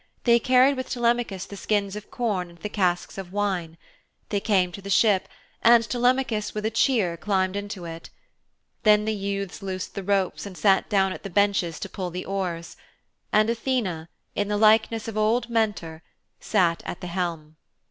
They carried with Telemachus the skins of corn and the casks of wine. They came to the ship, and Telemachus with a cheer climbed into it. Then the youths loosed the ropes and sat down at the benches to pull the oars. And Athene, in the likeness of old Mentor, sat at the helm.